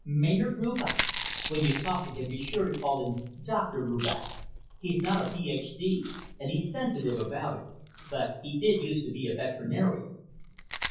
"Maynard Rubach. When you talk to him be sure to call him Doctor Rubach. He's not a Ph.D. and he's sensitive about it, but he did used to be a veterinarian."